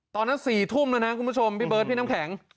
ตอนนั้น๔ทุ่มแล้วนะคุณผู้ชมพี่เบิร์ดพี่น้ำแข็ง